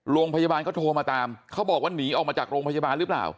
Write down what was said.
โรงพยาบาลเขาโทรมาตามเขาบอกว่าหนีออกมาจากโรงพยาบาลหรือเปล่า